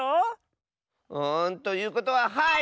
んということははい！